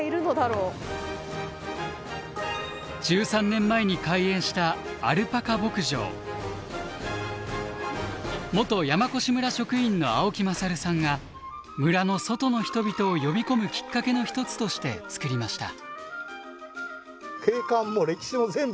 １３年前に開園した元山古志村職員の青木勝さんが村の外の人々を呼び込むきっかけの一つとして作りました。